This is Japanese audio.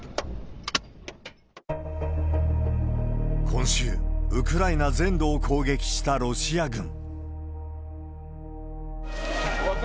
今週、ウクライナ全土を攻撃したロシア軍。